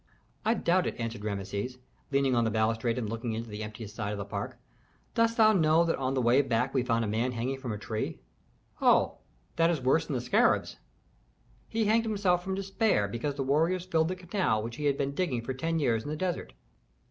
"I doubt it," answered Rameses, leaning on the balustrade and looking into the emptiest side of the park. "Dost thou know that on the way back we found a man hanging from a tree?" "Oh! that is worse than the scarabs!" "He hanged himself from despair because the warriors filled the canal which he had been digging for ten years in the desert."